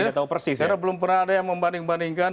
karena belum pernah ada yang membanding bandingkan